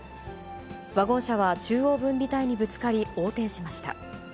ワゴン車は中央分離帯にぶつかり、横転しました。